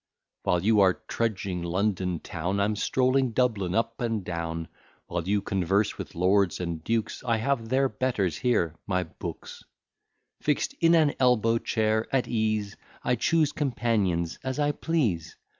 While you are trudging London town, I'm strolling Dublin up and down; While you converse with lords and dukes, I have their betters here, my books: Fix'd in an elbow chair at ease, I choose companions as I please.